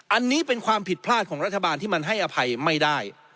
อันนี้เป็นความผิดพลาดของรัฐบาลที่มันให้อภัยไม่ได้